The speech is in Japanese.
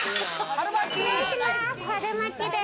春巻きです。